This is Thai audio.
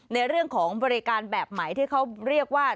ในเรื่องของบริการแบบใหม่ที่เขาเรียกว่า